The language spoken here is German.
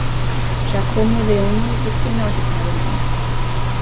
Giacomo Leoni wuchs in Norditalien auf.